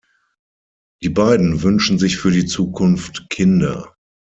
Die beiden wünschen sich für die Zukunft Kinder.